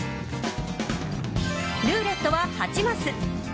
ルーレットは８マス。